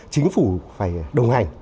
chính phủ phải đồng hành